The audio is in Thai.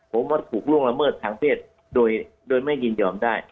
ผมว่าถูกล่วงละเมิดทางเพศโดยไม่ยินยอมได้